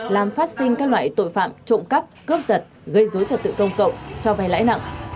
làm phát sinh các loại tội phạm trộm cắp cướp giật gây dối trật tự công cộng cho vay lãi nặng